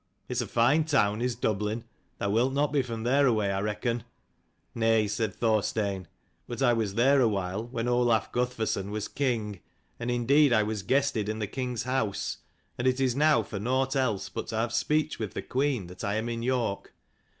It's a fine town, is Dublin. Thou wilt not be from thereaway I reckon ?" "Nay," said Thorstein: "but I was there a while when Olaf Guthferthson was king, and indeed I was guested in the king's house, and it is now for nought else but to have speech with the queen that I am in York."